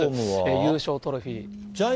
優勝トロフィー。